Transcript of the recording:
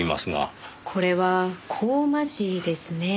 これはコーマ地ですね。